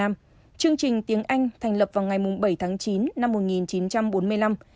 đài từng nói việt nam chương trình tiếng anh thành lập vào ngày bảy tháng chín năm một nghìn chín trăm bốn mươi năm